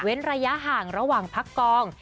ระยะห่างระหว่างพักกอง